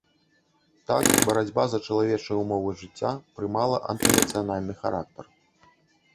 Так барацьба за чалавечыя ўмовы жыцця прымала антынацыянальны характар.